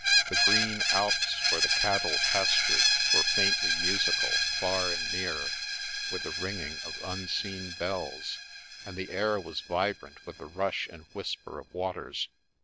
The green alps where the cattle pastured were faintly musical, far and near, with the ringing of unseen bells, and the air was vibrant with the rush and whisper of waters.